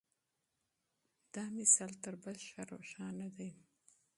دا مثال تر بل ښه روښانه دی.